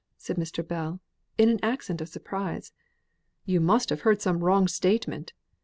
said Mr. Bell, in an accent of surprise. "You must have heard some wrong statement.